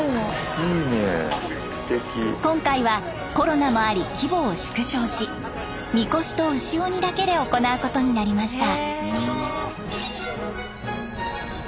今回はコロナもあり規模を縮小しみこしと牛鬼だけで行うことになりました。